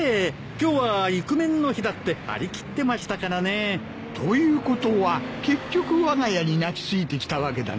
今日は育メンの日だって張り切ってましたからね。ということは結局わが家に泣き付いてきたわけだな。